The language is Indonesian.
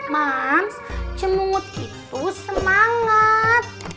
mams cemungut itu semangat